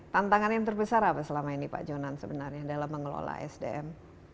tantangan yang terbesar apa selama ini pak jonan sebenarnya dalam mengelola sdm